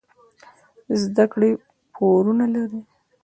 زده کړې پورونه لري.